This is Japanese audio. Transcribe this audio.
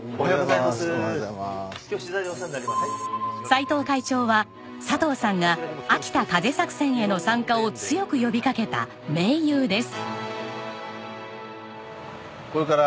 齊藤会長は佐藤さんが秋田風作戦への参加を強く呼びかけた盟友です。